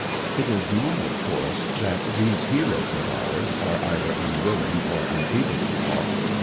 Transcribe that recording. It is not, of course, that these heroes of ours are either unwilling or unable to talk.